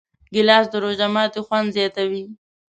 ګیلاس د روژه ماتي خوند زیاتوي.